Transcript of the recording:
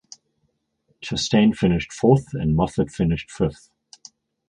Chastain finished fourth and Moffitt finished fifth.